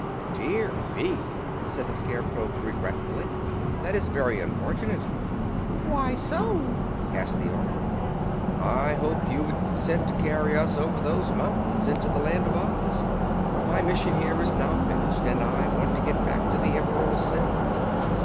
"Dear me," said the Scarecrow, regretfully. "That is very unfortunate." "Why so?" asked the Ork. "I hoped you would consent to carry us over those mountains, into the Land of Oz. My mission here is now finished and I want to get back to the Emerald City."